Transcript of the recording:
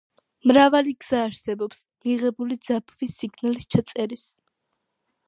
მრავალი გზა არსებობს მიღებული ძაბვის სიგნალის ჩაწერის.